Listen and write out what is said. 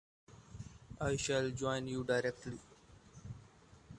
I shall join you directly.